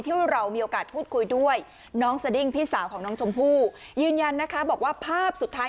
ที่เรามีโอกาสพูดคุยด้วยน้องสดิ้งพี่สาวของน้องชมพู่ยืนยันนะคะบอกว่าภาพสุดท้าย